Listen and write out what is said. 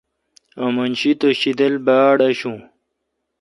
آمن شی تہ شیدل باڑآشون۔